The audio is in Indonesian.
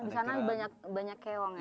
ini ada kerang di sana banyak keon ya